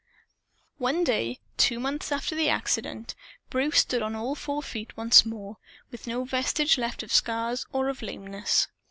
One day, two months after the accident, Bruce stood on all four feet once more, with no vestige left of scars or of lameness.